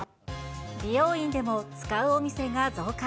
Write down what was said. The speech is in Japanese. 美容院でも使うお店が増加。